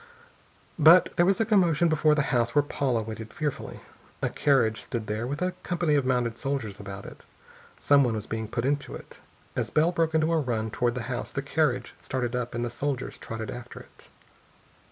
But there was a commotion before the house where Paula waited fearfully. A carriage stood there, with a company of mounted soldiers about it. Someone was being put into it. As Bell broke into a run toward the house the carriage started up and the soldiers trotted after it.